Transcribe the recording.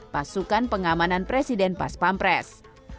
pasukan pengamanan presiden paspampres